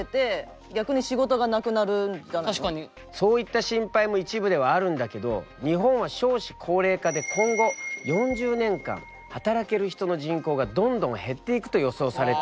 そういった心配も一部ではあるんだけど日本は少子高齢化で今後４０年間働ける人の人口がどんどん減っていくと予想されているんだ。